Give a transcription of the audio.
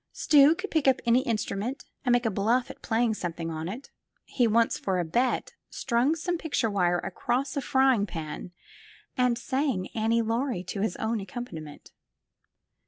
Stuy could pick up any instrument and make a bluff at playing something on it. He once, for a bet, strung some picture wire across a frying pan and sang Annie Laurie to his own accompaniment.